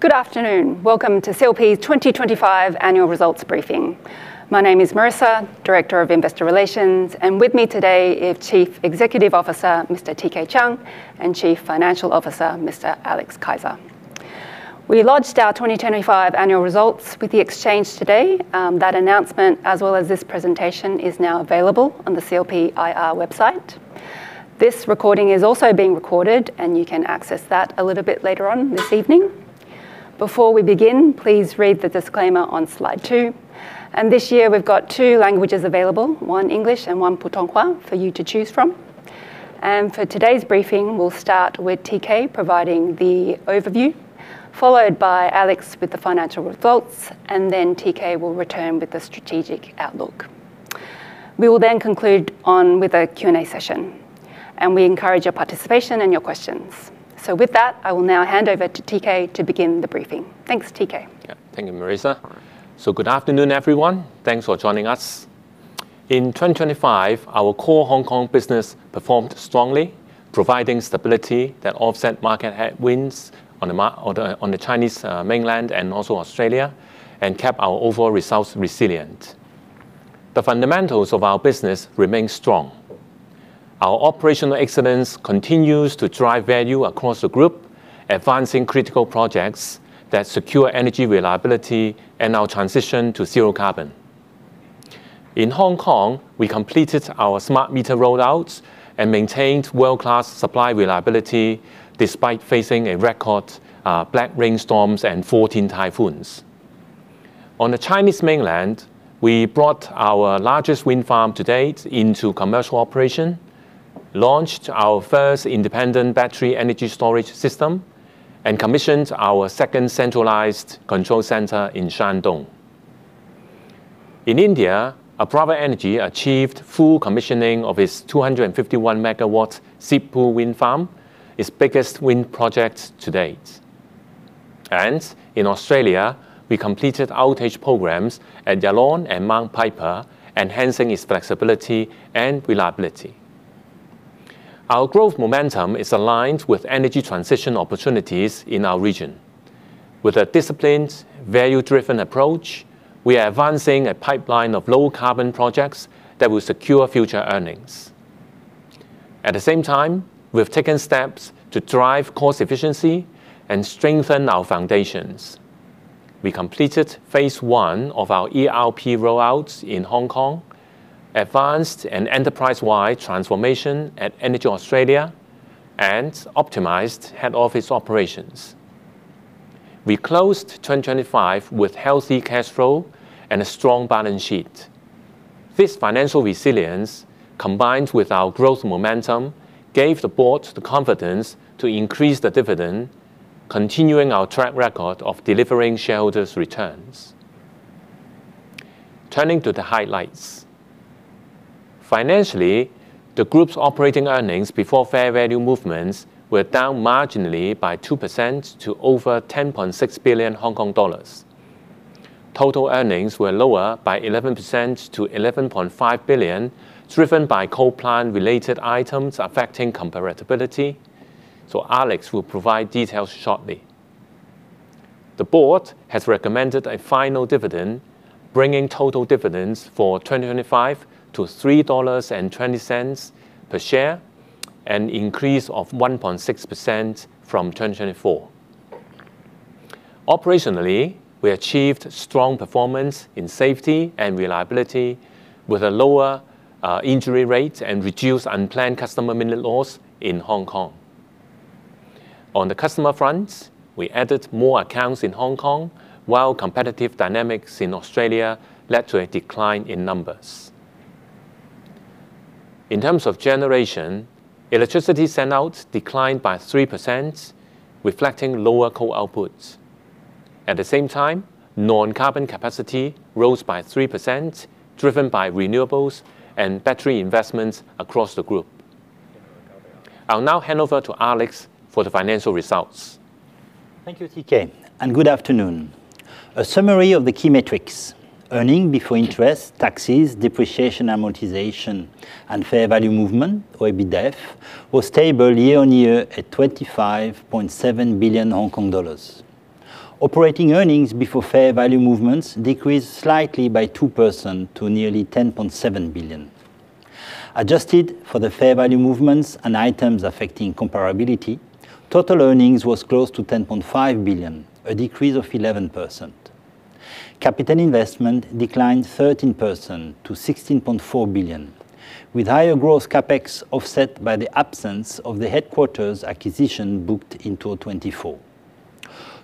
Good afternoon. Welcome to CLP's 2025 annual results briefing. My name is Marissa, Director of Investor Relations. With me today is Chief Executive Officer, Mr. T.K. Chiang, and Chief Financial Officer, Mr. Alex Keisser. We lodged our 2025 annual results with the exchange today. That announcement, as well as this presentation, is now available on the CLPIR website. This recording is also being recorded. You can access that a little bit later on this evening. Before we begin, please read the disclaimer on slide two. This year, we've got two languages available, one English and one Putonghua, for you to choose from. For today's briefing, we'll start with T.K. providing the overview, followed by Alex with the financial results. Then T.K. will return with the strategic outlook. We will conclude on with a Q&A session. We encourage your participation and your questions. With that, I will now hand over to T.K. to begin the briefing. Thanks, T.K.. Thank you, Marissa. Good afternoon, everyone. Thanks for joining us. In 2025, our core Hong Kong business performed strongly, providing stability that offset market headwinds on the Chinese mainland and also Australia, and kept our overall results resilient. The fundamentals of our business remain strong. Our operational excellence continues to drive value across the group, advancing critical projects that secure energy reliability and our transition to zero carbon. In Hong Kong, we completed our smart meter rollout and maintained world-class supply reliability, despite facing a record black rainstorms and 14 typhoons. On the Chinese mainland, we brought our largest wind farm to date into commercial operation, launched our first independent battery energy storage system, and commissioned our second centralized control center in Shandong. In India, Apraava Energy achieved full commissioning of its 251 MW Xishanbao wind farm, its biggest wind project to date. In Australia, we completed outage programs at Yallourn and Mount Piper, enhancing its flexibility and reliability. Our growth momentum is aligned with energy transition opportunities in our region. With a disciplined, value-driven approach, we are advancing a pipeline of low-carbon projects that will secure future earnings. At the same time, we've taken steps to drive cost efficiency and strengthen our foundations. We completed Phase 1 of our ERP rollout in Hong Kong, advanced an enterprise-wide transformation at EnergyAustralia, and optimized head office operations. We closed 2025 with healthy cash flow and a strong balance sheet. This financial resilience, combined with our growth momentum, gave the board the confidence to increase the dividend, continuing our track record of delivering shareholders' returns. Turning to the highlights. Financially, the group's operating earnings before fair value movements were down marginally by 2% to over 10.6 billion Hong Kong dollars. Total earnings were lower by 11% to 11.5 billion, driven by coal plant-related items affecting comparability. Alex will provide details shortly. The board has recommended a final dividend, bringing total dividends for 2025 to 3.20 dollars per share, an increase of 1.6% from 2024. Operationally, we achieved strong performance in safety and reliability, with a lower injury rate and reduced unplanned customer minute loss in Hong Kong. On the customer front, we added more accounts in Hong Kong, while competitive dynamics in Australia led to a decline in numbers. In terms of generation, electricity send-out declined by 3%, reflecting lower coal outputs. At the same time, non-carbon capacity rose by 3%, driven by renewables and battery investments across the group. I'll now hand over to Alex for the financial results. Thank you, T.K., and good afternoon. A summary of the key metrics: earnings before interest, taxes, depreciation, amortization, and fair value movement, or EBITDAV, was stable year-on-year at 25.7 billion Hong Kong dollars. Operating earnings before fair value movements decreased slightly by 2% to nearly 10.7 billion. Adjusted for the fair value movements and items affecting comparability, total earnings was close to 10.5 billion, a decrease of 11%. Capital investment declined 13% to 16.4 billion, with higher growth CapEx offset by the absence of the headquarters acquisition booked in 2024.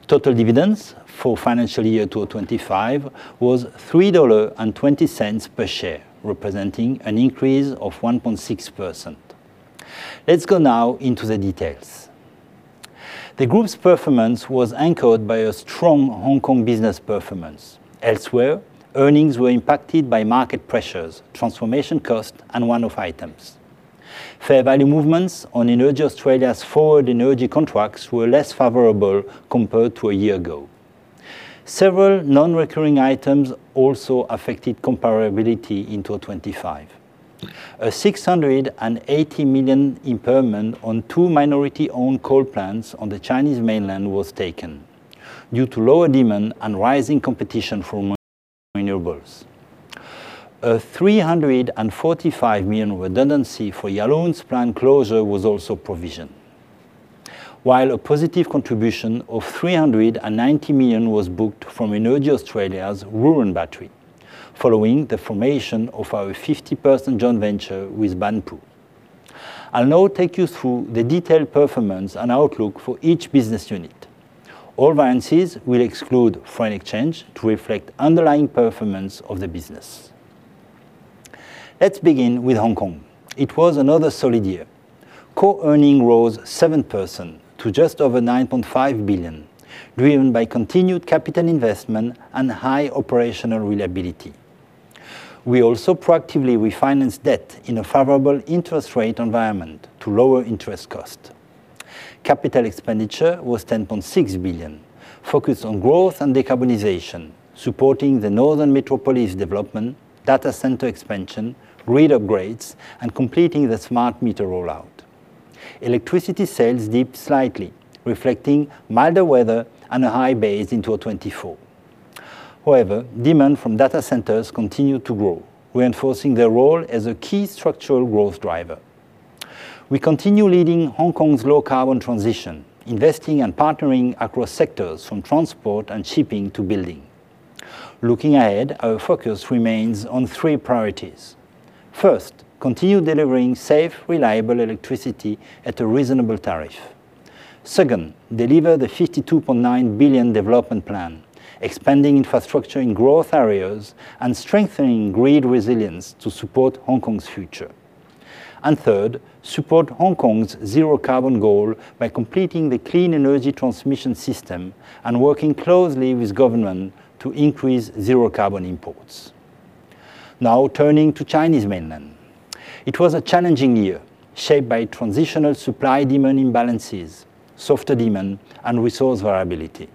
Total dividends for financial year 2025 was 3.20 dollars per share, representing an increase of 1.6%. Let's go now into the details. The group's performance was anchored by a strong Hong Kong business performance. Elsewhere, earnings were impacted by market pressures, transformation costs, and one-off items. Fair value movements on EnergyAustralia's forward energy contracts were less favorable compared to a year ago. Several non-recurring items also affected comparability in 2025. A 680 million impairment on two minority-owned coal plants on the Chinese mainland was taken due to lower demand and rising competition from renewables. A 345 million redundancy for Yallourn plant closure was also provisioned, while a positive contribution of 390 million was booked from EnergyAustralia's Wooreen Battery, following the formation of our 50% joint venture with Banpu. I'll now take you through the detailed performance and outlook for each business unit. All variances will exclude foreign exchange to reflect underlying performance of the business. Let's begin with Hong Kong. It was another solid year. Core earnings rose 7% to just over 9.5 billion, driven by continued capital investment and high operational reliability. We also proactively refinanced debt in a favorable interest rate environment to lower interest cost. Capital expenditure was 10.6 billion, focused on growth and decarbonization, supporting the northern metropolis development, data center expansion, grid upgrades, and completing the smart meter rollout. Electricity sales dipped slightly, reflecting milder weather and a high base in 2024. Demand from data centers continued to grow, reinforcing their role as a key structural growth driver. We continue leading Hong Kong's low-carbon transition, investing and partnering across sectors from transport and shipping to building. Looking ahead, our focus remains on three priorities. First, continue delivering safe, reliable electricity at a reasonable tariff. Second, deliver the 52.9 billion development plan, expanding infrastructure in growth areas and strengthening grid resilience to support Hong Kong's future. Third, support Hong Kong's zero-carbon goal by completing the clean energy transmission system and working closely with government to increase zero-carbon imports. Now turning to Chinese mainland. It was a challenging year, shaped by transitional supply-demand imbalances, softer demand, and resource variability.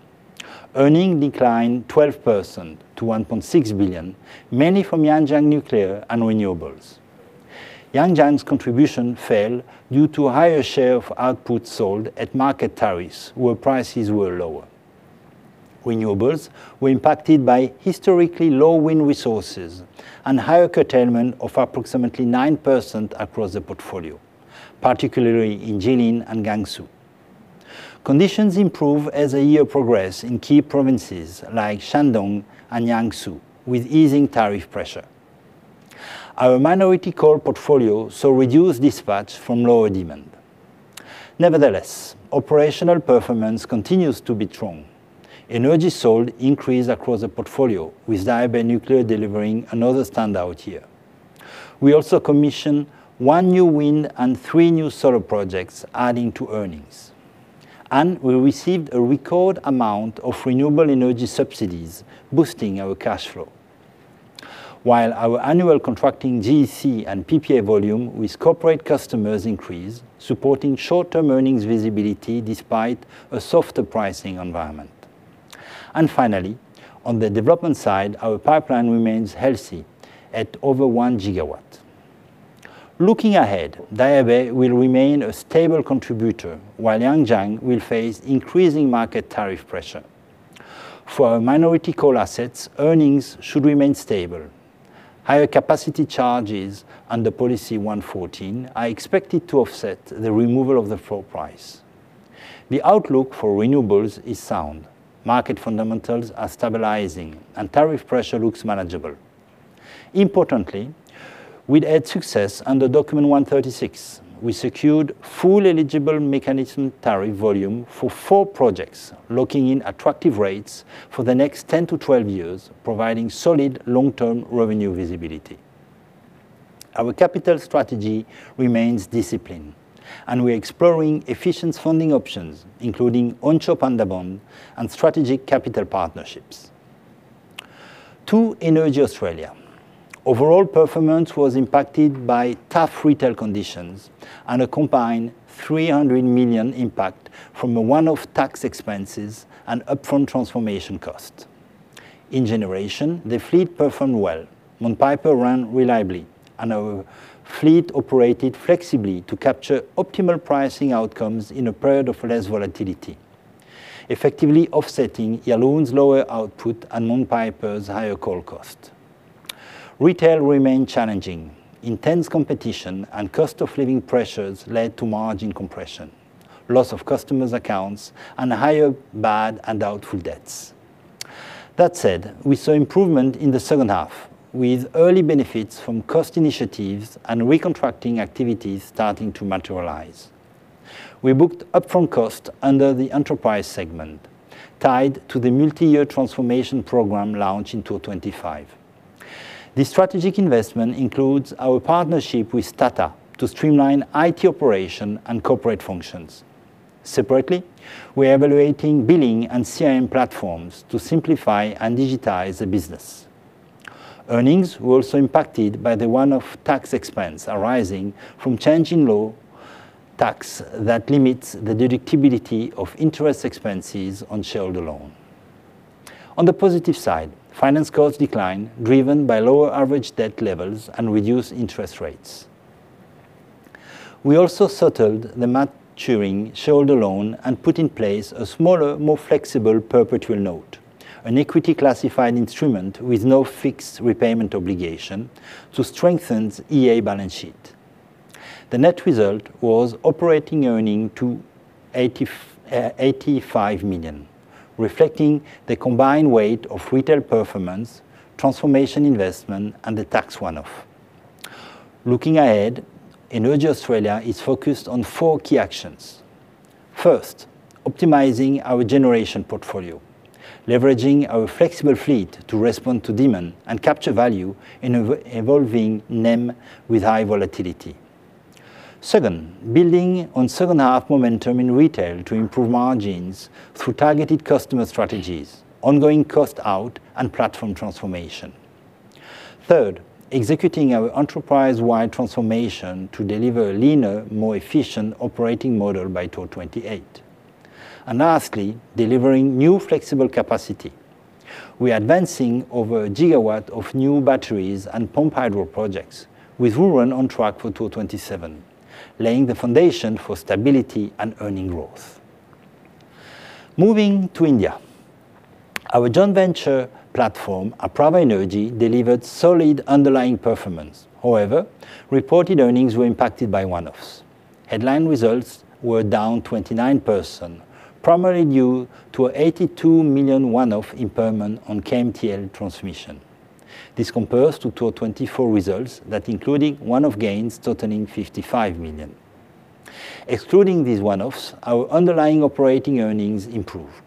Earnings declined 12% to 1.6 billion, mainly from Yangjiang Nuclear and renewables. Yangjiang's contribution fell due to a higher share of output sold at market tariffs, where prices were lower. Renewables were impacted by historically low wind resources and higher curtailment of approximately 9% across the portfolio, particularly in Jilin and Jiangsu. Conditions improved as the year progressed in key provinces like Shandong and Jiangsu, with easing tariff pressure. Our minority coal portfolio saw reduced dispatch from lower demand. Nevertheless, operational performance continues to be strong. Energy sold increased across the portfolio, with Daya Bay Nuclear delivering another standout year. We also commissioned one new wind and three new solar projects, adding to earnings. We received a record amount of renewable energy subsidies, boosting our cash flow. While our annual contracting GEC and PPA volume with corporate customers increased, supporting short-term earnings visibility despite a softer pricing environment. Finally, on the development side, our pipeline remains healthy at over 1 gigawatt. Looking ahead, Daya Bay will remain a stable contributor, while Yangjiang Nuclear will face increasing market tariff pressure. For our minority coal assets, earnings should remain stable. Higher capacity charges under Policy 114 are expected to offset the removal of the floor price. The outlook for renewables is sound. Market fundamentals are stabilizing. Tariff pressure looks manageable. Importantly, we had success under Document 136. We secured full eligible mechanism tariff volume for four projects, locking in attractive rates for the next 10-12 years, providing solid long-term revenue visibility. Our capital strategy remains disciplined. We are exploring efficient funding options, including on-shore Panda bond and strategic capital partnerships. To EnergyAustralia, overall performance was impacted by tough retail conditions and a combined 300 million impact from a one-off tax expenses and upfront transformation cost. In generation, the fleet performed well. Mount Piper ran reliably, and our fleet operated flexibly to capture optimal pricing outcomes in a period of less volatility, effectively offsetting Yallourn's lower output and Mount Piper's higher coal cost. Retail remained challenging. Intense competition and cost of living pressures led to margin compression, loss of customers accounts, and higher bad and doubtful debts. That said, we saw improvement in the second half, with early benefits from cost initiatives and recontracting activities starting to materialize. We booked upfront cost under the enterprise segment, tied to the multi-year transformation program launched in 2025. This strategic investment includes our partnership with Tata to streamline IT operation and corporate functions. Separately, we are evaluating billing and CRM platforms to simplify and digitize the business.... Earnings were also impacted by the one-off tax expense arising from change in law tax that limits the deductibility of interest expenses on shareholder loan. On the positive side, finance costs declined, driven by lower average debt levels and reduced interest rates. We also settled the maturing shareholder loan and put in place a smaller, more flexible perpetual note, an equity-classified instrument with no fixed repayment obligation, to strengthen EA balance sheet. The net result was operating earning to 85 million, reflecting the combined weight of retail performance, transformation investment, and the tax one-off. Looking ahead, EnergyAustralia is focused on four key actions. First, optimizing our generation portfolio, leveraging our flexible fleet to respond to demand and capture value in evolving NEM with high volatility. Second, building on second half momentum in retail to improve margins through targeted customer strategies, ongoing cost out, and platform transformation. Third, executing our enterprise-wide transformation to deliver a leaner, more efficient operating model by 2028. Lastly, delivering new flexible capacity. We are advancing over 1 GW of new batteries and pumped hydro projects, with Wooreen on track for 2027, laying the foundation for stability and earning growth. Moving to India, our joint venture platform, Apraava Energy, delivered solid underlying performance. However, reported earnings were impacted by one-offs. Headline results were down 29%, primarily due to a 82 million one-off impairment on KMTL transmission. This compares to 2024 results that including one-off gains totaling 55 million. Excluding these one-offs, our underlying operating earnings improved.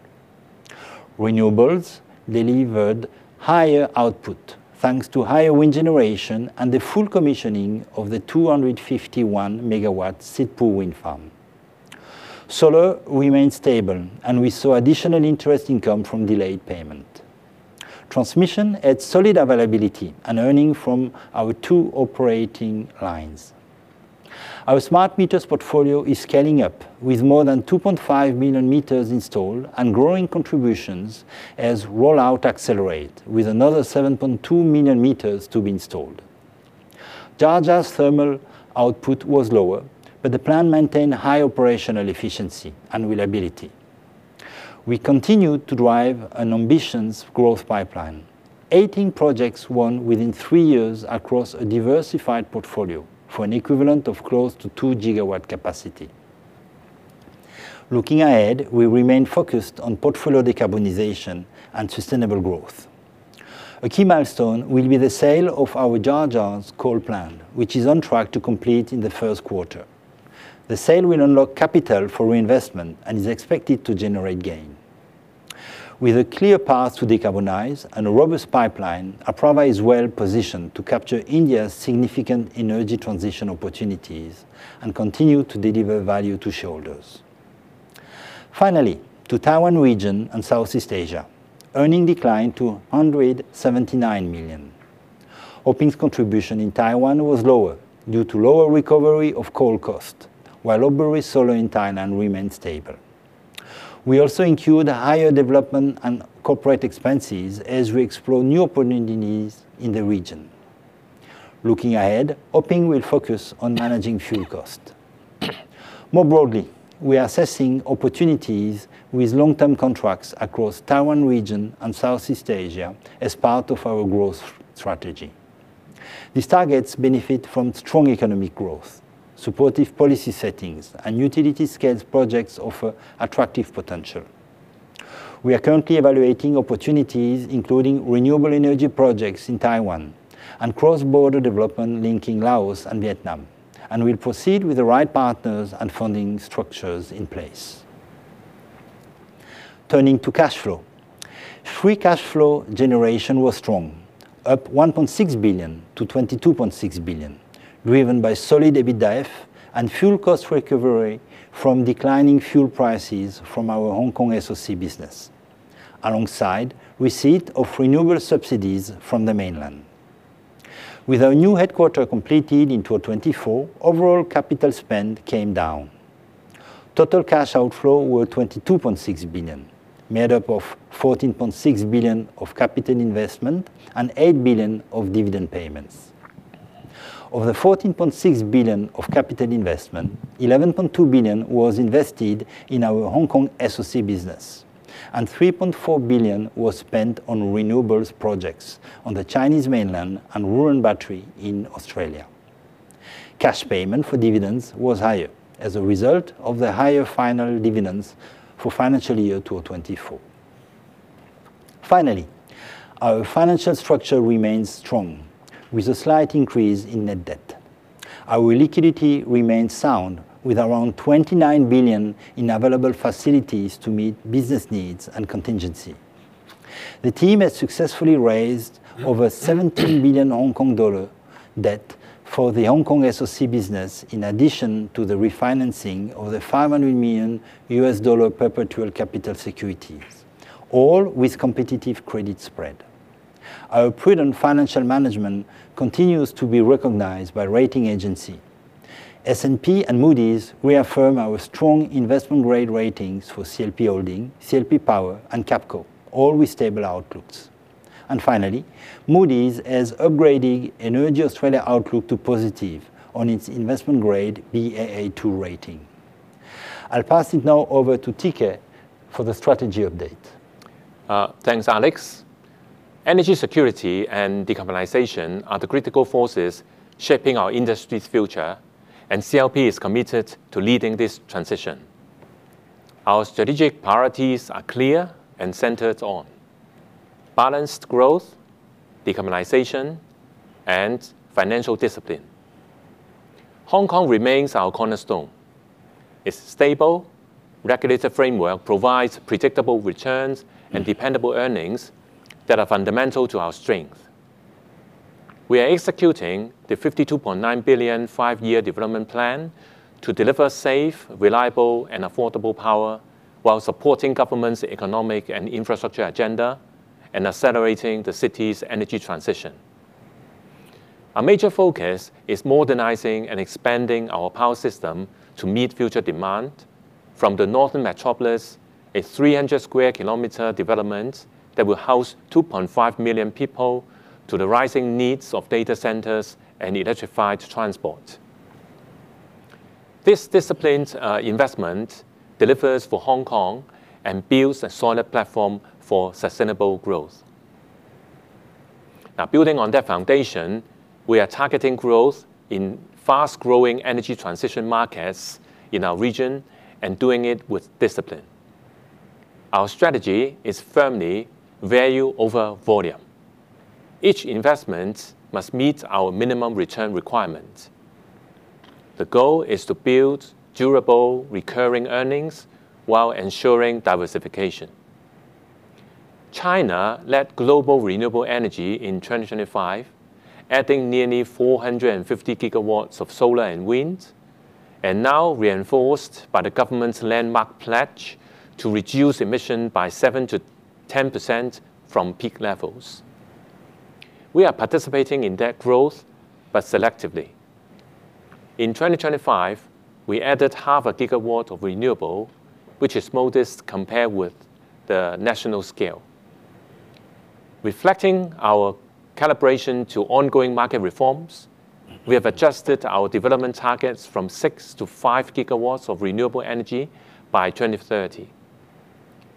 Renewables delivered higher output, thanks to higher wind generation and the full commissioning of the 251 megawatt Xishanbao wind farm. Solar remains stable. We saw additional interest income from delayed payment. Transmission had solid availability and earning from our two operating lines. Our smart meters portfolio is scaling up, with more than 2.5 million meters installed and growing contributions as rollout accelerate, with another 7.2 million meters to be installed. Jhajjar's thermal output was lower. The plant maintained high operational efficiency and reliability. We continued to drive an ambitious growth pipeline. 18 projects won within three years across a diversified portfolio for an equivalent of close to 2 GW capacity. Looking ahead, we remain focused on portfolio decarbonization and sustainable growth. A key milestone will be the sale of our Jhajjar's coal plant, which is on track to complete in the first quarter. The sale will unlock capital for reinvestment and is expected to generate gain. With a clear path to decarbonize and a robust pipeline, Apraava is well positioned to capture India's significant energy transition opportunities and continue to deliver value to shareholders. Finally, to Taiwan region and Southeast Asia, earning declined to 179 million. Ho-Ping's contribution in Taiwan was lower due to lower recovery of coal cost, while Lopburi Solar in Thailand remains stable. We also incurred higher development and corporate expenses as we explore new opportunities in the region. Looking ahead, Ho-Ping will focus on managing fuel cost. More broadly, we are assessing opportunities with long-term contracts across Taiwan region and Southeast Asia as part of our growth strategy. These targets benefit from strong economic growth, supportive policy settings, and utility-scale projects offer attractive potential. We are currently evaluating opportunities, including renewable energy projects in Taiwan and cross-border development linking Laos and Vietnam, and we'll proceed with the right partners and funding structures in place. Turning to cash flow. Free cash flow generation was strong, up 1.6 billion to 22.6 billion, driven by solid EBITDAF and fuel cost recovery from declining fuel prices from our Hong Kong SOC business, alongside receipt of renewable subsidies from the Mainland. With our new headquarter completed in 2024, overall capital spend came down. Total cash outflow were 22.6 billion, made up of 14.6 billion of capital investment and 8 billion of dividend payments. Of the 14.6 billion of capital investment, 11.2 billion was invested in our Hong Kong SOC business, and 3.4 billion was spent on renewables projects on the Chinese mainland and Wooreen Battery in Australia. Cash payment for dividends was higher as a result of the higher final dividends for financial year 2024. Finally, our financial structure remains strong, with a slight increase in net debt. Our liquidity remains sound, with around 29 billion in available facilities to meet business needs and contingency. The team has successfully raised over 17 billion Hong Kong dollar. that for the Hong Kong SOC business, in addition to the refinancing of the $500 million perpetual capital securities, all with competitive credit spread. Our prudent financial management continues to be recognized by rating agency. S&P and Moody's reaffirm our strong investment grade ratings for CLP Holdings, CLP Power, and CAPCO, all with stable outlooks. Finally, Moody's has upgraded EnergyAustralia outlook to positive on its investment grade Baa2 rating. I'll pass it now over to T.K. for the strategy update. Thanks, Alex. Energy security and decarbonization are the critical forces shaping our industry's future. CLP is committed to leading this transition. Our strategic priorities are clear and centered on balanced growth, decarbonization, and financial discipline. Hong Kong remains our cornerstone. Its stable regulatory framework provides predictable returns and dependable earnings that are fundamental to our strength. We are executing the 52.9 billion five-year development plan to deliver safe, reliable, and affordable power while supporting government's economic and infrastructure agenda and accelerating the city's energy transition. A major focus is modernizing and expanding our power system to meet future demand from the Northern Metropolis, a 300 sq km development that will house 2.5 million people to the rising needs of data centers and electrified transport. This disciplined investment delivers for Hong Kong and builds a solid platform for sustainable growth. Building on that foundation, we are targeting growth in fast-growing energy transition markets in our region and doing it with discipline. Our strategy is firmly value over volume. Each investment must meet our minimum return requirement. The goal is to build durable, recurring earnings while ensuring diversification. China led global renewable energy in 2025, adding nearly 450 gigawatts of solar and wind. Now reinforced by the government's landmark pledge to reduce emission by 7%-10% from peak levels. We are participating in that growth. Selectively. In 2025, we added half a gigawatt of renewable, which is modest compared with the national scale. Reflecting our calibration to ongoing market reforms, we have adjusted our development targets from 6-5 gigawatts of renewable energy by 2030.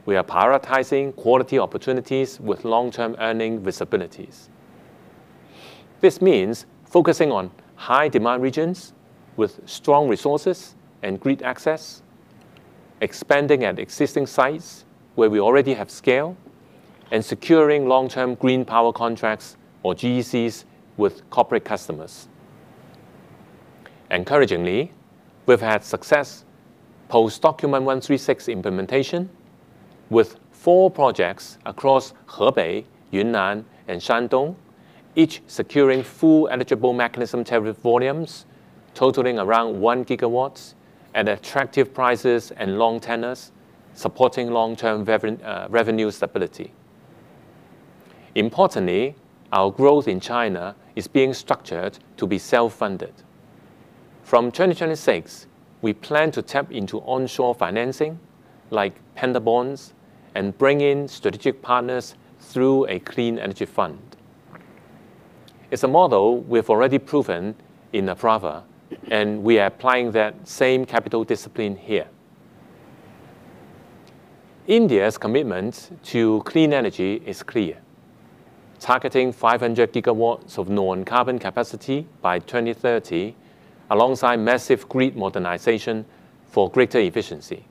We are prioritizing quality opportunities with long-term earning visibilities. This means focusing on high-demand regions with strong resources and grid access, expanding at existing sites where we already have scale, and securing long-term green power contracts or GECs with corporate customers. Encouragingly, we've had success post-Document 136 implementation, with four projects across Hebei, Yunnan, and Shandong, each securing full eligible mechanism tariff volumes totaling around 1 gigawatts at attractive prices and long tenors, supporting long-term revenue stability. Importantly, our growth in China is being structured to be self-funded. From 2026, we plan to tap into onshore financing, like Panda bonds, and bring in strategic partners through a Clean Energy Fund. It's a model we've already proven in Apraava, and we are applying that same capital discipline here. India's commitment to clean energy is clear: targeting 500 gigawatts of non-carbon capacity by 2030, alongside massive grid modernization for greater efficiency.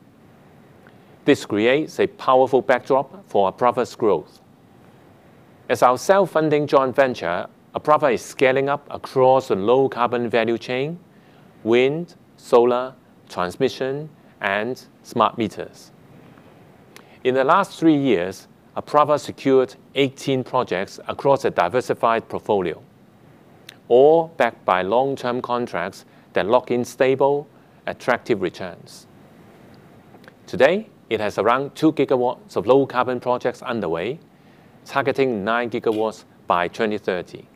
This creates a powerful backdrop for Aprava's growth. As our self-funding joint venture, Aprava is scaling up across the low-carbon value chain: wind, solar, transmission, and smart meters. In the last three years, Aprava secured 18 projects across a diversified portfolio, all backed by long-term contracts that lock in stable, attractive returns. Today, it has around 2 GW of low-carbon projects underway, targeting 9 GW by 2030.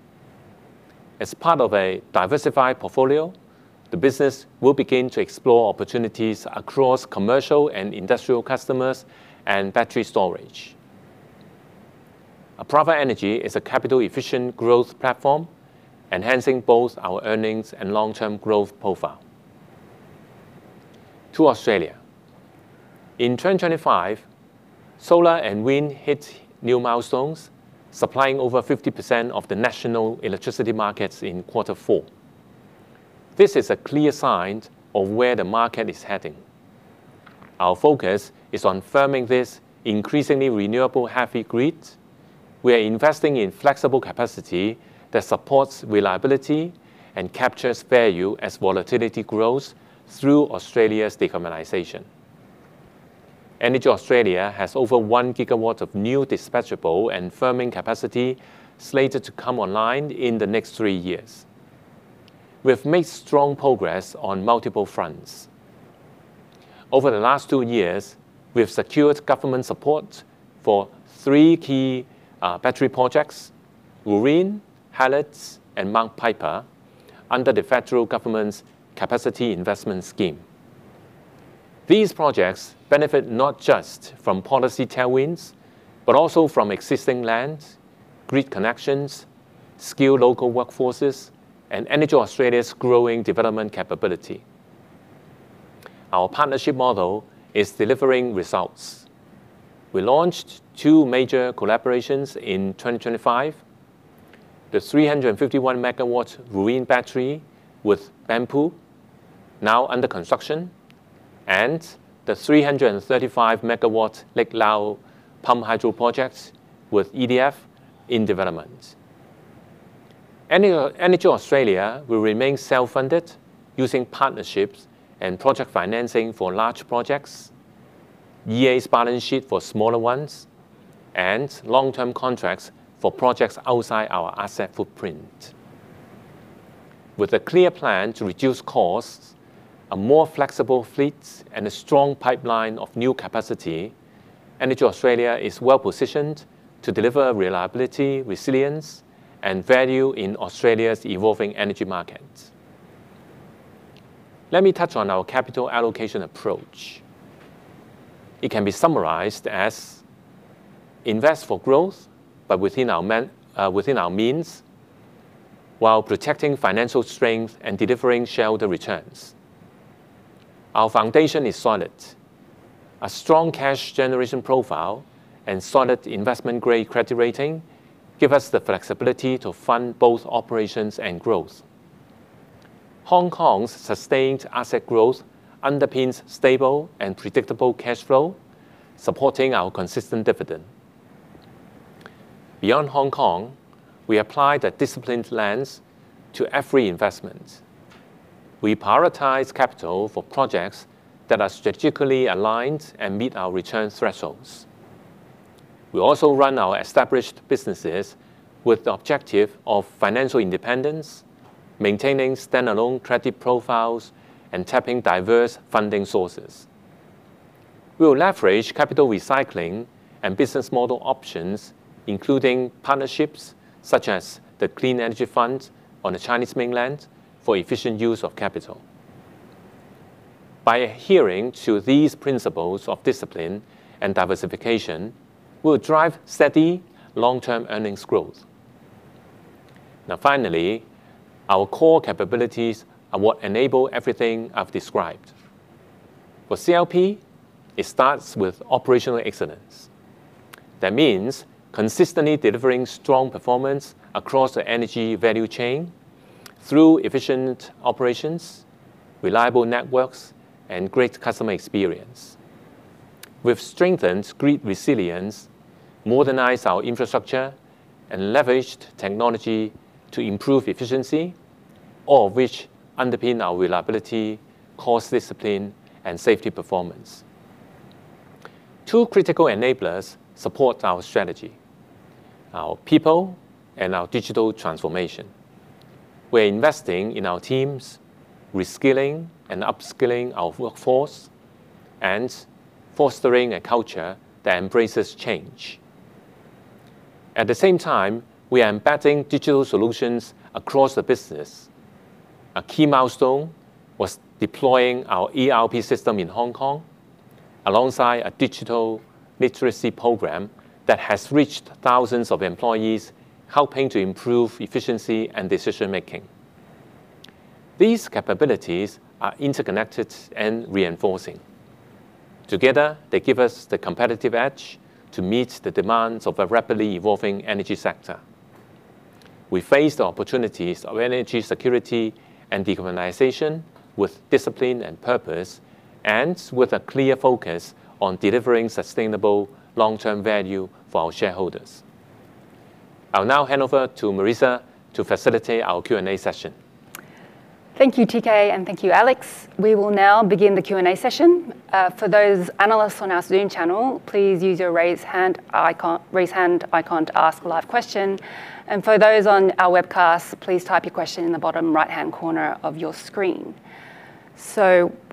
As part of a diversified portfolio, the business will begin to explore opportunities across commercial and industrial customers and battery storage. Apraava Energy is a capital-efficient growth platform, enhancing both our earnings and long-term growth profile. To Australia. In 2025, solar and wind hit new milestones, supplying over 50% of the National Electricity Market in Q4. This is a clear sign of where the market is heading. Our focus is on firming this increasingly renewable-heavy grid. We are investing in flexible capacity that supports reliability and captures value as volatility grows through Australia's decarbonization. EnergyAustralia has over 1 GW of new dispatchable and firming capacity slated to come online in the next three years. We have made strong progress on multiple fronts. Over the last two years, we have secured government support for three key battery projects, Wooreen, Hallett, and Mount Piper, under the federal government's Capacity Investment Scheme. These projects benefit not just from policy tailwinds, but also from existing lands, grid connections, skilled local workforces, and EnergyAustralia's growing development capability. Our partnership model is delivering results. We launched two major collaborations in 2025: the 351 MW Wooreen Battery with Banpu, now under construction, and the 335 MW Lake Lyell pumped hydro projects with EDF in development. EnergyAustralia will remain self-funded using partnerships and project financing for large projects, EA's balance sheet for smaller ones, and long-term contracts for projects outside our asset footprint. With a clear plan to reduce costs, a more flexible fleet, and a strong pipeline of new capacity, EnergyAustralia is well-positioned to deliver reliability, resilience, and value in Australia's evolving energy market. Let me touch on our capital allocation approach. It can be summarized as invest for growth, but within our means, while protecting financial strength and delivering shareholder returns. Our foundation is solid. A strong cash generation profile and solid investment-grade credit rating give us the flexibility to fund both operations and growth. Hong Kong's sustained asset growth underpins stable and predictable cash flow, supporting our consistent dividend. Beyond Hong Kong, we apply the disciplined lens to every investment. We prioritize capital for projects that are strategically aligned and meet our return thresholds. We also run our established businesses with the objective of financial independence, maintaining standalone credit profiles, and tapping diverse funding sources. We will leverage capital recycling and business model options, including partnerships such as the Clean Energy Fund on the Chinese mainland, for efficient use of capital. By adhering to these principles of discipline and diversification, we will drive steady long-term earnings growth. Now, finally, our core capabilities are what enable everything I've described. For CLP, it starts with operational excellence. That means consistently delivering strong performance across the energy value chain through efficient operations, reliable networks, and great customer experience. We've strengthened grid resilience, modernized our infrastructure, and leveraged technology to improve efficiency, all of which underpin our reliability, cost discipline, and safety performance. Two critical enablers support our strategy: our people and our digital transformation. We're investing in our teams, reskilling and upskilling our workforce, and fostering a culture that embraces change. At the same time, we are embedding digital solutions across the business. A key milestone was deploying our ERP system in Hong Kong, alongside a digital literacy program that has reached thousands of employees, helping to improve efficiency and decision-making. These capabilities are interconnected and reinforcing. Together, they give us the competitive edge to meet the demands of a rapidly evolving energy sector. We face the opportunities of energy security and decarbonization with discipline and purpose, and with a clear focus on delivering sustainable long-term value for our shareholders. I'll now hand over to Marissa to facilitate our Q&A session. Thank you, T.K., and thank you, Alex. We will now begin the Q&A session. For those analysts on our Zoom channel, please use your raise hand icon to ask a live question, and for those on our webcast, please type your question in the bottom right-hand corner of your screen.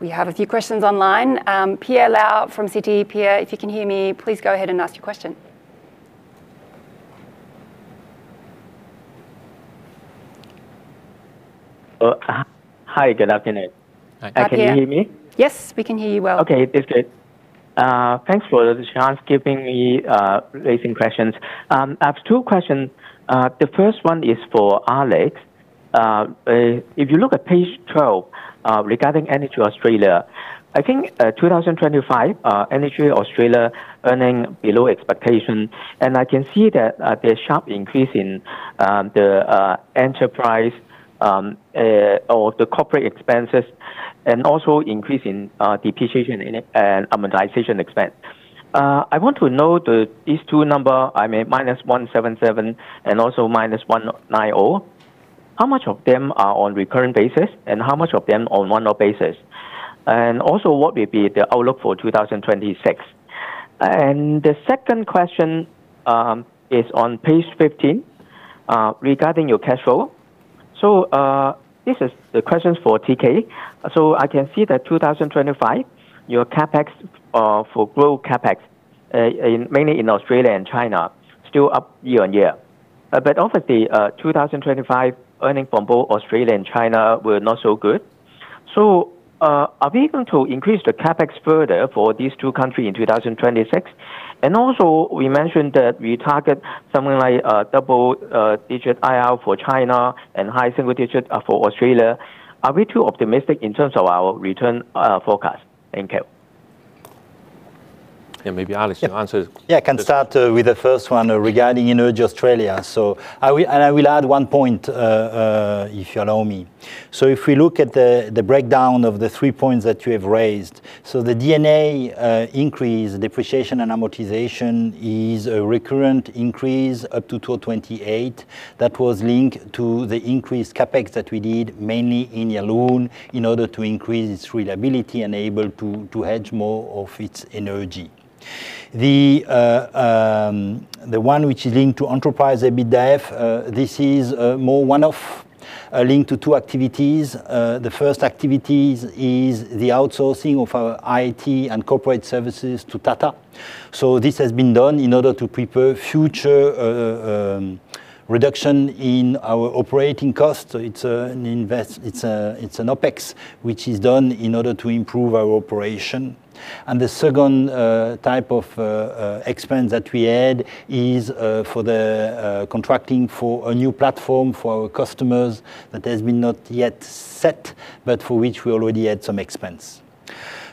We have a few questions online. Pierre Lau from Citi. Pierre, if you can hear me, please go ahead and ask your question. Hi, good afternoon. Hi. Hi, Pierre. Can you hear me? Yes, we can hear you well. Okay, that's good. Thanks for the chance giving me raising questions. I have two questions. The first one is for Alex. If you look at page 12, regarding EnergyAustralia, I think 2025, EnergyAustralia earning below expectation, and I can see that there's sharp increase in the enterprise or the corporate expenses, and also increase in depreciation and amortization expense. I want to know the these two number, I mean, -177 and also -190. How much of them are on recurring basis, and how much of them on one-off basis? What will be the outlook for 2026? The second question is on page 15, regarding your cash flow. This is the question for T.K. I can see that 2025, your CapEx for growth CapEx, in, mainly in Australia and China, still up year-on-year. Obviously, 2025 earnings from both Australia and China were not so good. Are we going to increase the CapEx further for these two countries in 2026? We mentioned that we target something like double-digit IRR for China and high single-digit for Australia. Are we too optimistic in terms of our return forecast? Thank you. Maybe Alex, you answer... I can start with the first one regarding EnergyAustralia. I will add one point if you allow me. If we look at the breakdown of the three points that you have raised, the D&A increase, depreciation and amortization, is a recurrent increase up to 228 that was linked to the increased CapEx that we did, mainly in Yallourn, in order to increase its reliability and able to hedge more of its energy. The one which is linked to Enterprise EBITDAF, this is more one-off, linked to 2 activities. The first activities is the outsourcing of our IT and corporate services to Tata. This has been done in order to prepare future reduction in our operating costs. it's an OpEx, which is done in order to improve our operation. The second type of expense that we had is for the contracting for a new platform for our customers that has been not yet set, but for which we already had some expense.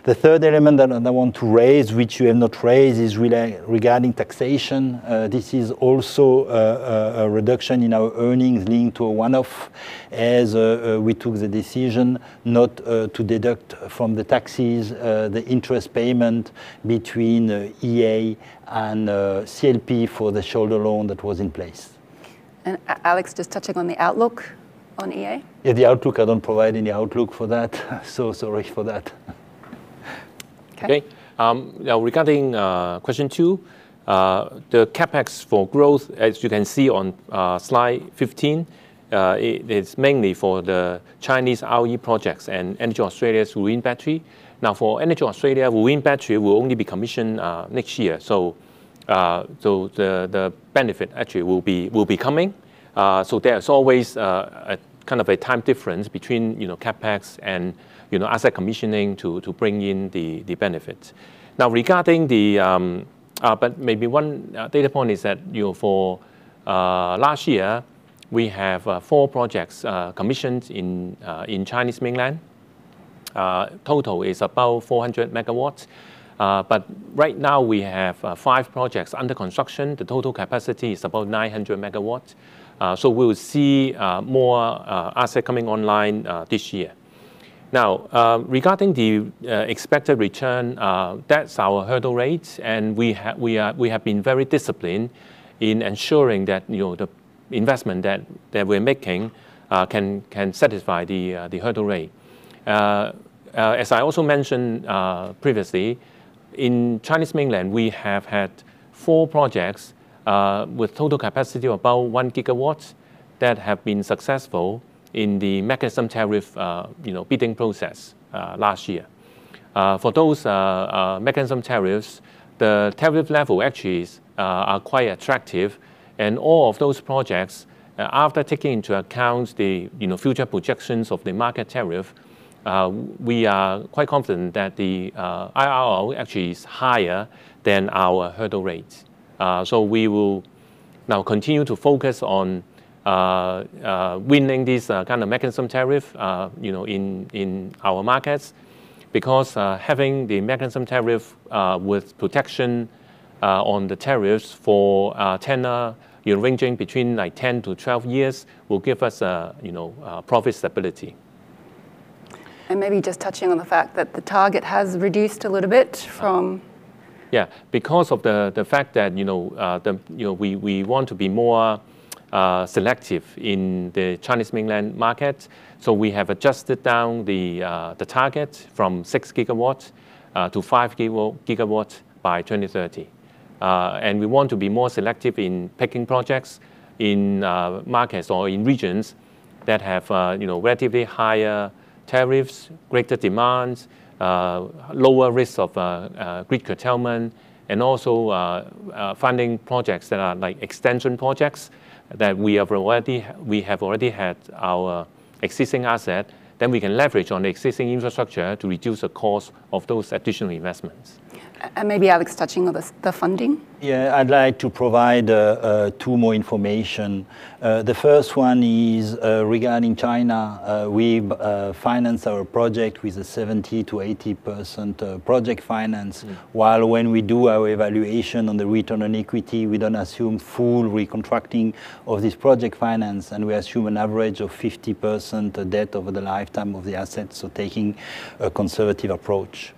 The third element that I want to raise, which you have not raised, is regarding taxation. This is also a reduction in our earnings linked to a one-off, as we took the decision not to deduct from the taxes the interest payment between EA and CLP for the shoulder loan that was in place. Alex Keisser, just touching on the outlook on EA? Yeah, the outlook, I don't provide any outlook for that. Sorry for that. Okay. Okay. Regarding question two, the CapEx for growth, as you can see on slide 15, it's mainly for the Chinese RE projects and EnergyAustralia's wind battery. For EnergyAustralia, wind battery will only be commissioned next year. The benefit actually will be coming. There's always a kind of a time difference between, you know, CapEx and, you know, asset commissioning to bring in the benefit. Regarding the, maybe 1 data point is that, you know, for last year, we have four projects commissioned in Chinese mainland. Total is about 400 megawatts. Right now we have five projects under construction. The total capacity is about 900 megawatts. We will see more asset coming online this year. Regarding the expected return, that's our hurdle rate, and we have been very disciplined in ensuring that, you know, the investment that we're making, can satisfy the hurdle rate. As I also mentioned previously, in Chinese mainland, we have had four projects with total capacity of about 1 gigawatt that have been successful in the mechanism tariff, you know, bidding process last year. For those mechanism tariffs, the tariff level actually is, are quite attractive, and all of those projects, after taking into account the, you know, future projections of the market tariff, we are quite confident that the IRR actually is higher than our hurdle rate. We will now continue to focus on winning this kind of mechanism tariff, you know, in our markets, because having the mechanism tariff with protection on the tariffs for a tenna, you're ranging between, like, 10-12 years, will give us a, you know, profit stability. Maybe just touching on the fact that the target has reduced a little bit from. Yeah. Because of the fact that, you know, the, you know, we want to be more selective in the Chinese mainland market, so we have adjusted down the target from 6 GW-5 GW by 2030. We want to be more selective in picking projects in markets or in regions that have, you know, relatively higher tariffs, greater demands, lower risk of grid curtailment, and also funding projects that are, like, extension projects that we have already had our existing asset. We can leverage on the existing infrastructure to reduce the cost of those additional investments. Maybe, Alex, touching on the funding? I'd like to provide two more information. The first one is regarding China. We finance our project with a 70%-80% project finance. Mm... while when we do our evaluation on the return on equity, we don't assume full recontracting of this project finance, and we assume an average of 50% debt over the lifetime of the asset, so taking a conservative approach.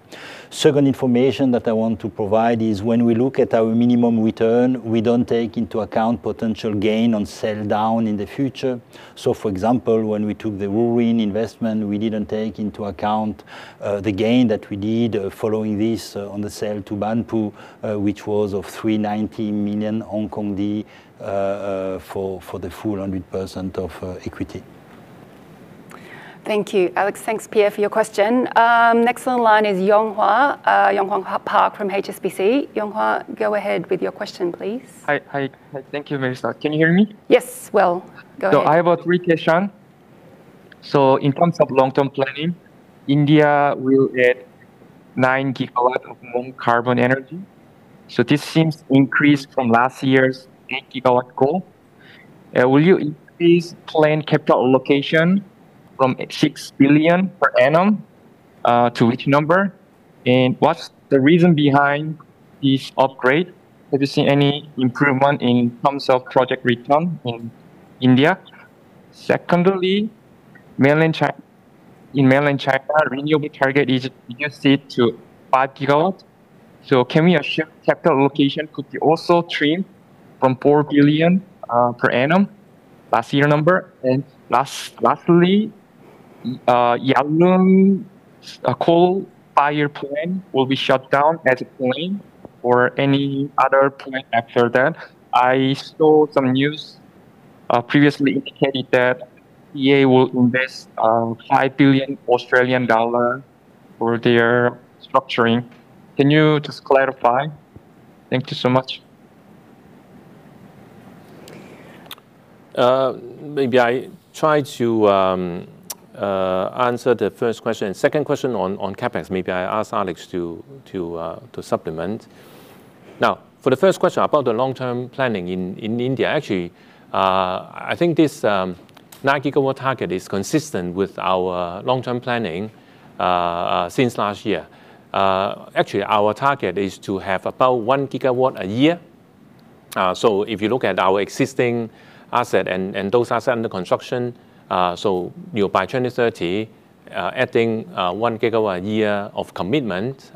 Second information that I want to provide is when we look at our minimum return, we don't take into account potential gain on sell down in the future. For example, when we took the Wuyuan investment, we didn't take into account the gain that we need following this on the sale to Banpu, which was of 390 million Hong Kong for the full 100% of equity. Thank you, Alex. Thanks, Pierre, for your question. Next on line is Yonghua Park from HSBC. Yonghua, go ahead with your question, please. Hi. Thank you very much, sir. Can you hear me? Yes, well, go ahead. I have a three question. In terms of long-term planning, India will add 9 gigawatt of non-carbon energy, so this seems increased from last year's 8 gigawatt goal. Will you increase planned capital allocation from 6 billion per annum to which number? What's the reason behind this upgrade? Have you seen any improvement in terms of project return in India? Secondly, in mainland China, renewable target is reduced to 5 gigawatt, so can we assume capital allocation could be also trimmed from 4 billion per annum, last year number? Lastly, Yallourn coal-fired plant will be shut down at a point or any other point after that. I saw some news previously indicated that EA will invest 5 billion Australian dollar for their structuring. Can you just clarify? Thank you so much. Maybe I try to answer the first question, and second question on CapEx, maybe I ask Alex to supplement. For the first question about the long-term planning in India, actually, I think this 9 gigawatt target is consistent with our long-term planning since last year. Actually, our target is to have about 1 gigawatt a year. If you look at our existing asset and those assets under construction, so, you know, by 2030, adding 1 gigawatt a year of commitment,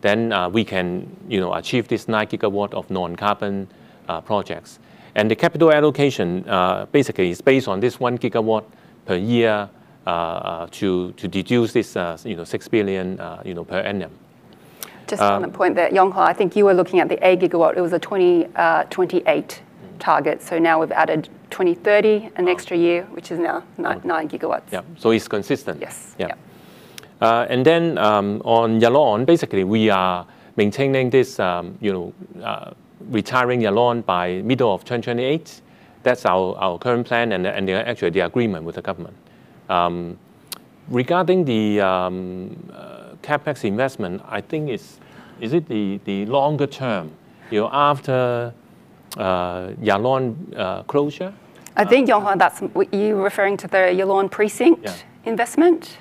then we can, you know, achieve this 9 gigawatt of non-carbon projects. The capital allocation basically is based on this 1 gigawatt per year to deduce this, you know, 6 billion, you know, per annum. Just on the point there, Yong Hua, I think you were looking at the 8 gigawatt. It was a 28 target. Now we've added 2030, an extra year, which is now 9 gigawatts. Yeah. It's consistent? Yes. Yeah. Yeah. Then, on Yallourn, basically, we are maintaining this, you know, retiring Yallourn by middle of 2028. That's our current plan and actually the agreement with the government. Regarding the CapEx investment, I think Is it the longer term, you know, after Yallourn closure? I think, Yong Hua, that's what you referring to the Yallourn precinct. Yeah... investment?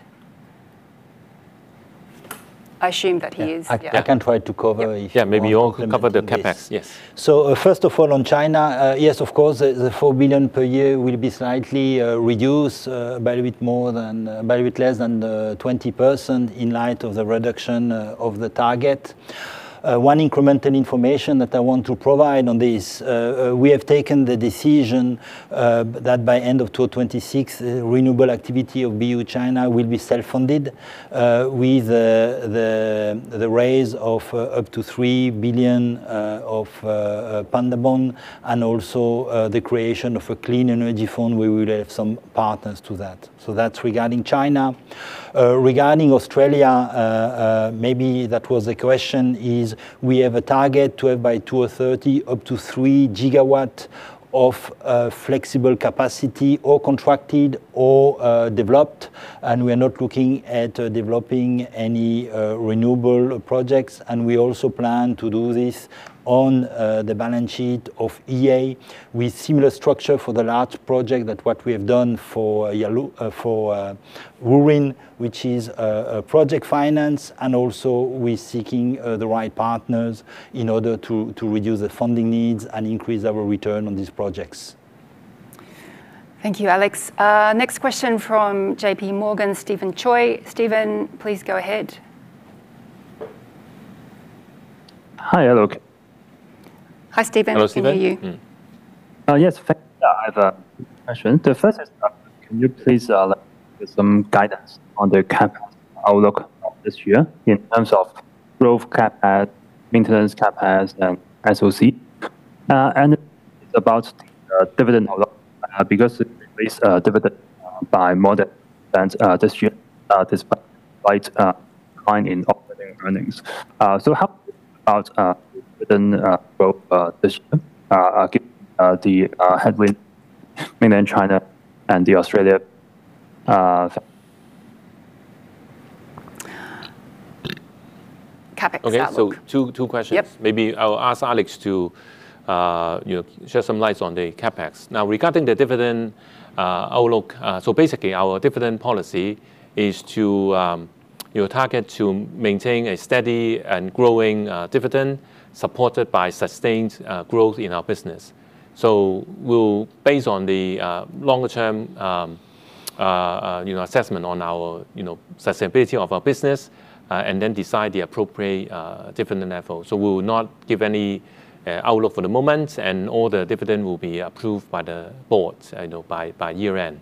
I assume that he is. I can try to cover. Yeah, maybe you cover the CapEx. Yes. First of all, on China, yes, of course, the 4 billion per year will be slightly reduced by a bit more than by a bit less than 20% in light of the reduction of the target. One incremental information that I want to provide on this, we have taken the decision that by end of 2026, renewable activity of BU China will be self-funded with the raise of up to 3 billion of Panda Bond, and also the creation of a Clean Energy Fund. We will have some partners to that. That's regarding China. Regarding Australia, maybe that was the question, is we have a target to have by 2030, up to 3 GW of flexible capacity or contracted or developed. We are not looking at developing any renewable projects. We also plan to do this on the balance sheet of EA with similar structure for the large project that what we have done for Wuyuan, which is a project finance and also with seeking the right partners in order to reduce the funding needs and increase our return on these projects. Thank you, Alex. Next question from JPMorgan, Steven Choi. Steven, please go ahead. Hi, hello. Hi, Steven. Hello, Steven. Can hear you. Mm. Yes, thank you. I have a question. The first is, can you please let some guidance on the CapEx outlook of this year in terms of growth CapEx, maintenance CapEx, and SOC? About dividend outlook, because it increased dividend by more than this year, despite decline in operating earnings. How about within both this year, the headwind mainland China and the Australia. CapEx outlook. Okay, two questions. Yep. Maybe I'll ask Alex to, you know, shed some light on the CapEx. Regarding the dividend outlook, basically, our dividend policy is to, you know, target to maintain a steady and growing dividend, supported by sustained growth in our business. We'll, based on the longer term, you know, assessment on our, you know, sustainability of our business, and then decide the appropriate dividend level. We will not give any outlook for the moment, and all the dividend will be approved by the board, you know, by year-end.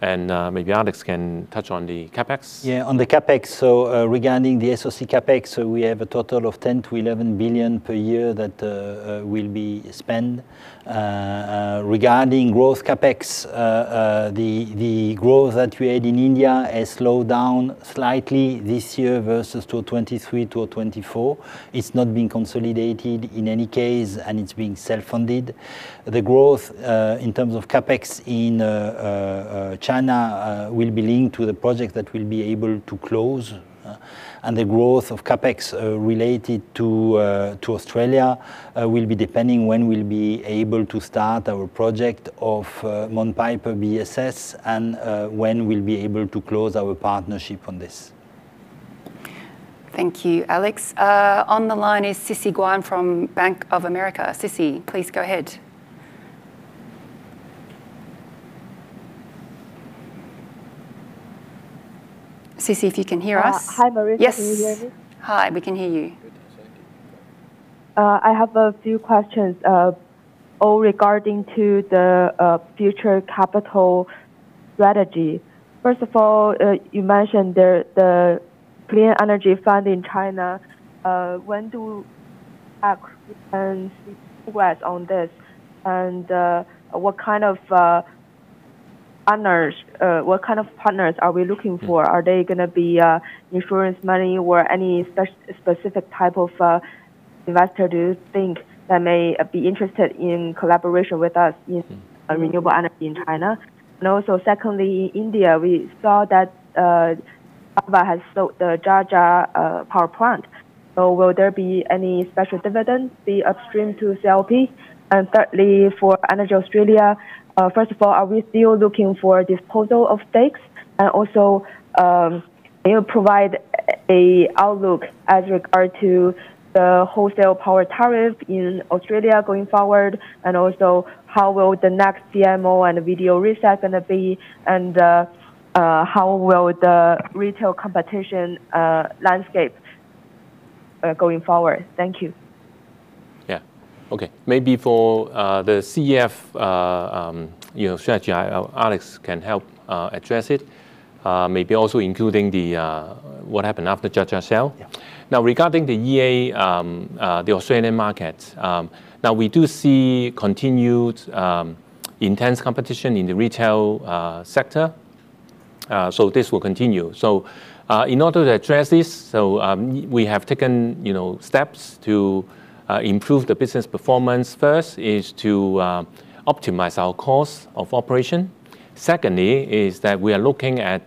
Maybe Alex can touch on the CapEx? On the CapEx, regarding the SOC CapEx, we have a total of 10 billion-11 billion per year that will be spent. Regarding growth CapEx, the growth that we had in India has slowed down slightly this year versus 2023, 2024. It's not being consolidated in any case, and it's being self-funded. The growth in terms of CapEx in China will be linked to the project that we'll be able to close. The growth of CapEx related to Australia will be depending when we'll be able to start our project of Mount Piper VSS, and when we'll be able to close our partnership on this. Thank you, Alex. On the line is Cissy Guan from Bank of America. Cissy, please go ahead. Cissy, if you can hear us? Hi, Marissa. Yes. Can you hear me? Hi, we can hear you. Good. Thank you. I have a few questions, all regarding to the future capital strategy. First of all, you mentioned the Clean Energy Fund in China. When do acquisition on this, and what kind of partners are we looking for? Are they gonna be insurance money or any specific type of investor do you think that may be interested in collaboration with us in renewable energy in China? Secondly, India, we saw that Apraava has sold the Jhajjar power plant. Will there be any special dividend be upstream to CLP? Thirdly, for EnergyAustralia, first of all, are we still looking for a disposal of stakes? Can you provide an outlook as regard to the wholesale power tariff in Australia going forward, and also, how will the next CMO and VDO reset gonna be, and how will the retail competition landscape going forward? Thank you. Yeah. Okay. Maybe for the CEF, you know, strategy, Alex can help address it, maybe also including the what happened after Jhajjar sale. Yeah. Regarding the EA, the Australian market, now we do see continued, intense competition in the retail sector, this will continue. In order to address this, we have taken, you know, steps to improve the business performance. First, is to optimize our cost of operation. Secondly, is that we are looking at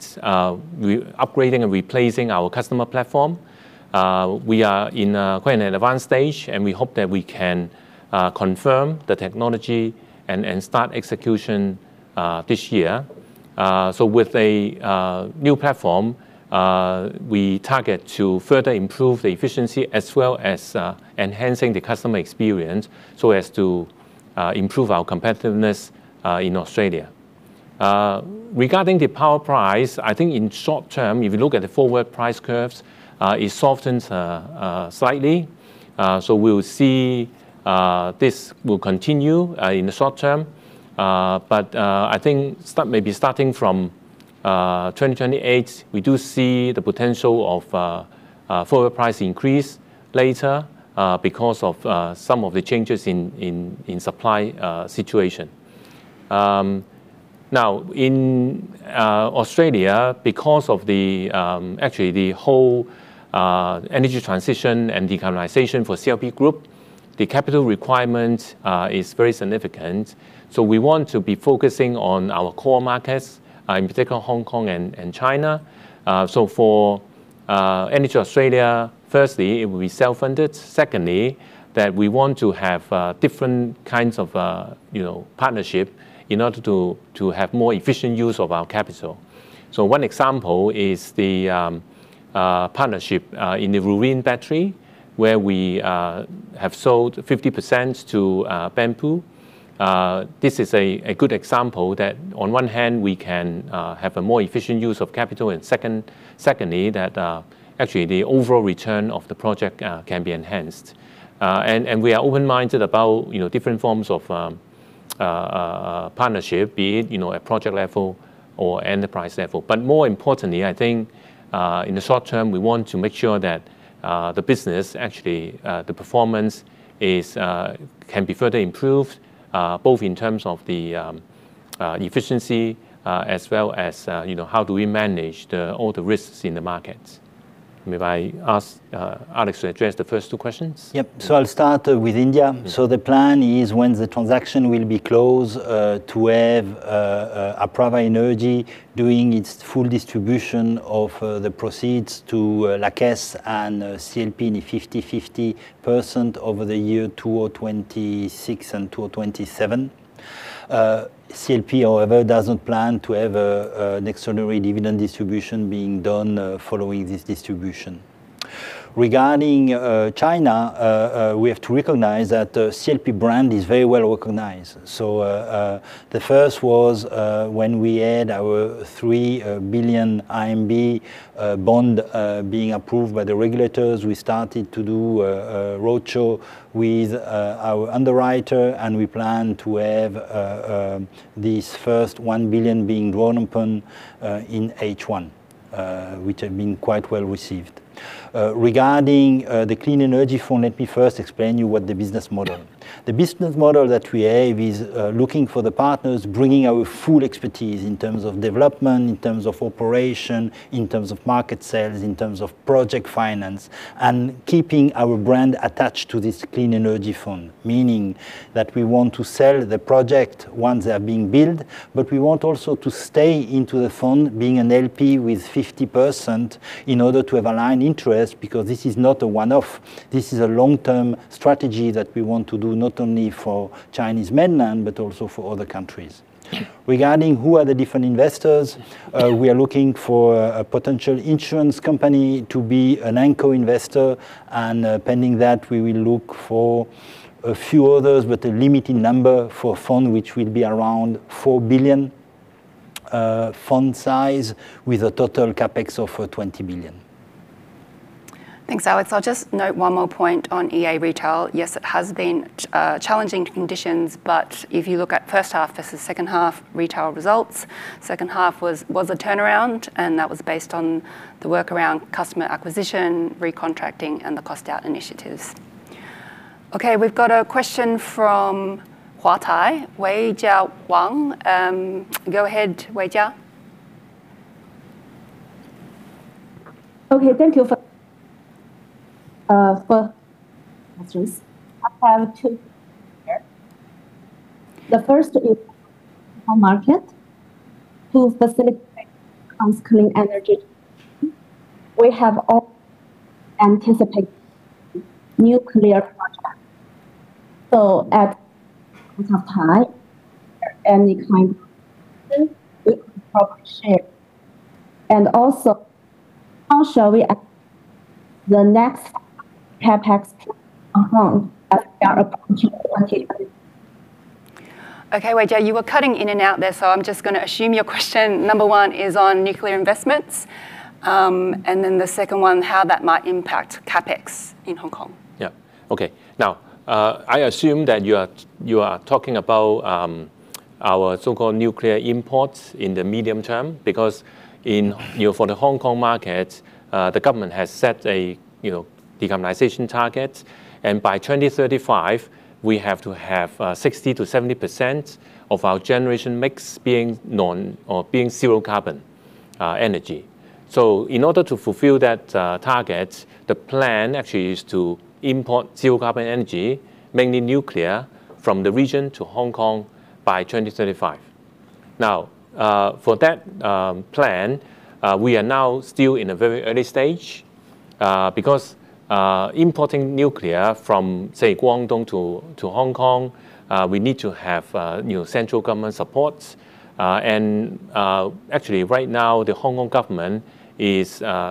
re-upgrading and replacing our customer platform. We are in quite an advanced stage, and we hope that we can confirm the technology and start execution this year. With a new platform, we target to further improve the efficiency as well as enhancing the customer experience so as to improve our competitiveness in Australia. Regarding the power price, I think in short term, if you look at the forward price curves, it softens slightly. We will see this will continue in the short term. But I think maybe starting from 2028, we do see the potential of forward price increase later because of some of the changes in supply situation. Now, in Australia, because of the actually the whole energy transition and decarbonization for CLP Group, the capital requirement is very significant. We want to be focusing on our core markets, in particular Hong Kong and China. For EnergyAustralia, firstly, it will be self-funded. Secondly, that we want to have different kinds of, you know, partnership in order to have more efficient use of our capital. One example is the partnership in the Wooreen Battery, where we have sold 50% to Banpu. This is a good example that on one hand, we can have a more efficient use of capital, and secondly, that actually the overall return of the project can be enhanced. And we are open-minded about, you know, different forms of partnership, be it, you know, at project level or enterprise level. More importantly, I think, in the short term, we want to make sure that the business, actually, the performance is, can be further improved, both in terms of the efficiency, as well as, you know, how do we manage the, all the risks in the markets. May I ask, Alex, to address the first two questions? I'll start with India. The plan is when the transaction will be closed, to have Apraava Energy doing its full distribution of the proceeds to CDPQ and CLP in a 50-50% over the year 2026 and 2027. CLP, however, doesn't plan to have an extraordinary dividend distribution being done following this distribution. Regarding China, we have to recognize that the CLP brand is very well recognized. The first was when we had our 3 billion bond being approved by the regulators. We started to do a roadshow with our underwriter, and we plan to have this first 1 billion being drawn upon in H1, which have been quite well received. Regarding the Clean Energy Fund, let me first explain to you what the business model. The business model that we have is looking for the partners, bringing our full expertise in terms of development, in terms of operation, in terms of market sales, in terms of project finance, and keeping our brand attached to this Clean Energy Fund, meaning that we want to sell the project once they are being built, but we want also to stay into the fund, being an LP with 50% in order to have aligned interest, because this is not a one-off. This is a long-term strategy that we want to do, not only for Chinese mainland, but also for other countries. Regarding who are the different investors, we are looking for a potential insurance company to be an anchor investor, and pending that, we will look for a few others with a limited number for fund, which will be around 4 billion fund size, with a total CapEx of 20 billion. Thanks, Alex. I'll just note one more point on EA Retail. Yes, it has been challenging conditions, but if you look at first half versus second half retail results, second half was a turnaround, and that was based on the work around customer acquisition, recontracting, and the cost out initiatives. We've got a question from Huatai, Weijia Wang. Go ahead, Weijia. Okay, thank you for questions. I have two here. The first is on market, to specific on clean energy. We have all anticipate nuclear contract. At the top high, any kind of share? Also, how shall we the next CapEx at home? Okay, Weijia, you were cutting in and out there, so I'm just gonna assume your question, number one, is on nuclear investments. The second one, how that might impact CapEx in Hong Kong. Yeah. Okay. I assume that you are talking about our so-called nuclear imports in the medium term, because in, you know, for the Hong Kong market, the government has set a, you know, decarbonization target, and by 2035, we have to have 60%-70% of our generation mix being non... or being zero carbon energy. In order to fulfill that target, the plan actually is to import zero carbon energy, mainly nuclear, from the region to Hong Kong by 2035. For that plan, we are now still in a very early stage, because importing nuclear from, say, Guangdong to Hong Kong, we need to have, you know, central government support. Actually right now, the Hong Kong government is, you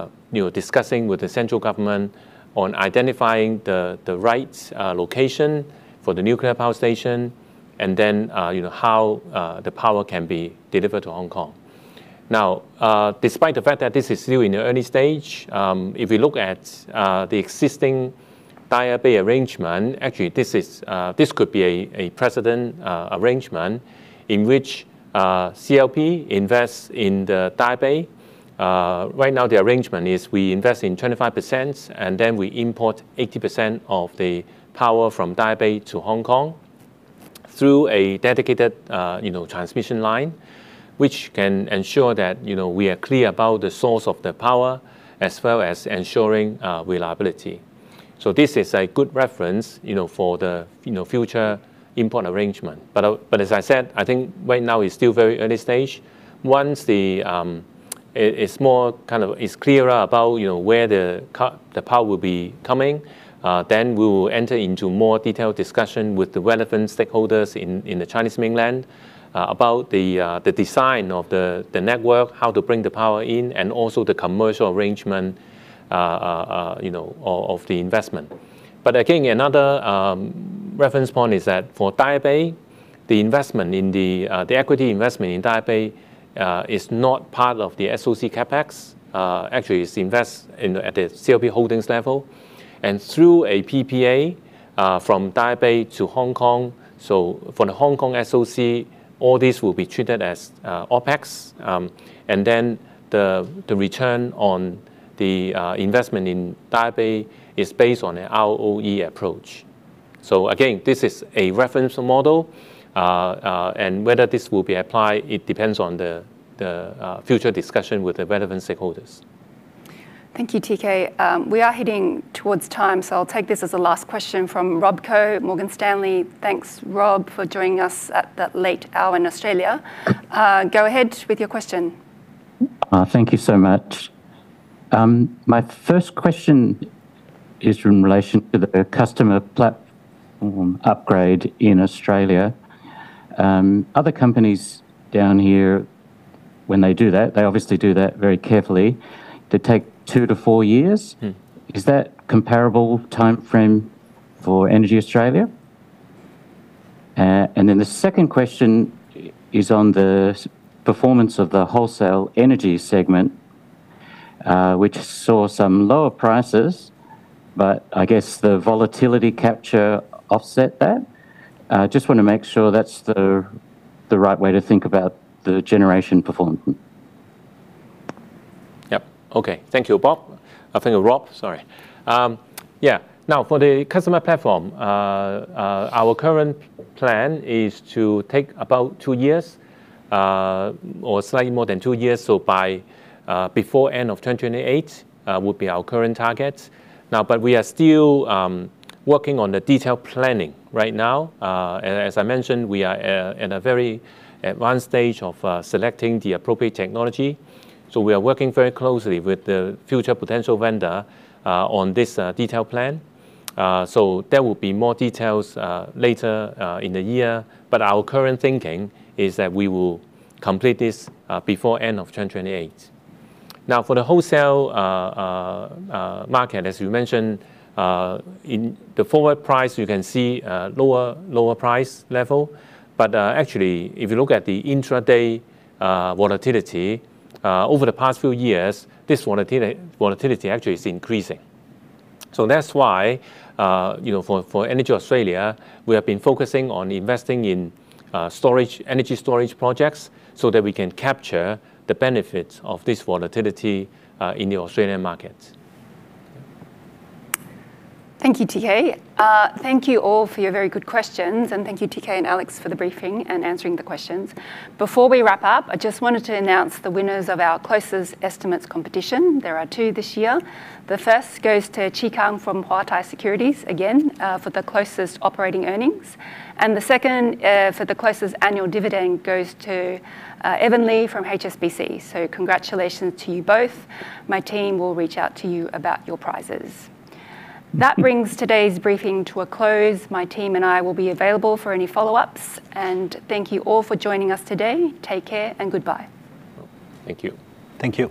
know, discussing with the central government on identifying the right location for the nuclear power station, and then, you know, how the power can be delivered to Hong Kong. Now, despite the fact that this is still in the early stage, if you look at the existing Daya Bay arrangement, actually this is, this could be a precedent arrangement in which CLP invests in the Daya Bay. Right now, the arrangement is we invest in 25%, and then we import 80% of the power from Daya Bay to Hong Kong through a dedicated, you know, transmission line, which can ensure that, you know, we are clear about the source of the power, as well as ensuring reliability. This is a good reference, you know, for the, you know, future import arrangement. But as I said, I think right now it's still very early stage. Once it's clearer about, you know, where the power will be coming, then we will enter into more detailed discussion with the relevant stakeholders in the Chinese mainland about the design of the network, how to bring the power in, and also the commercial arrangement, you know, of the investment. But again, another reference point is that for Daya Bay, the investment in the equity investment in Daya Bay is not part of the SOC CapEx. Actually, it's invest in at the CLP Holdings level, and through a PPA from Daya Bay to Hong Kong. For the Hong Kong SOC, all this will be treated as OpEx. The return on the investment in Daya Bay is based on a ROE approach. Again, this is a reference model, and whether this will be applied, it depends on the future discussion with the relevant stakeholders. Thank you, T.K. We are heading towards time, I'll take this as a last question from Rob Koh, Morgan Stanley. Thanks, Rob, for joining us at that late hour in Australia. Go ahead with your question. Thank you so much. My first question is in relation to the customer upgrade in Australia, other companies down here, when they do that, they obviously do that very carefully to take 2-4 years? Mm. Is that comparable timeframe for EnergyAustralia? The second question is on the performance of the wholesale energy segment, which saw some lower prices, but I guess the volatility capture offset that. I just wanna make sure that's the right way to think about the generation performance. Yep. Okay. Thank you, Rob. I think Rob, sorry. Now, for the customer platform, our current plan is to take about two years, or slightly more than two years, so by before end of 2028, would be our current target. We are still working on the detailed planning right now. As I mentioned, we are in a very advanced stage of selecting the appropriate technology, so we are working very closely with the future potential vendor on this detailed plan. There will be more details later in the year, but our current thinking is that we will complete this before end of 2028. Now, for the wholesale market, as you mentioned, in the forward price, you can see lower price level, but actually, if you look at the intraday volatility over the past few years, this volatility actually is increasing. That's why, you know, for EnergyAustralia, we have been focusing on investing in storage, energy storage projects so that we can capture the benefits of this volatility in the Australian markets. Thank you, T.K.. Thank you all for your very good questions, and thank you, T.K. and Alex, for the briefing and answering the questions. Before we wrap up, I just wanted to announce the winners of our Closest Estimates competition. There are two this year. The first goes to He Kang from Huatai Securities, again, for the closest operating earnings. The second, for the closest annual dividend goes to, Eason Li from HSBC. Congratulations to you both. My team will reach out to you about your prizes. That brings today's briefing to a close. My team and I will be available for any follow-ups, and thank you all for joining us today. Take care and goodbye. Thank you. Thank you.